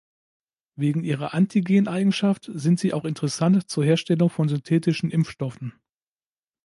Wegen ihrer Antigen-Eigenschaft sind sie auch interessant zur Herstellung von synthetischen Impfstoffen.